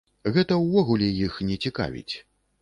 Гэта ўвогуле іх не цікавіць!